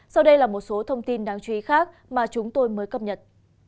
sau đây là một số thông tin đáng chú ý khác mà chúng tôi mới cập nhật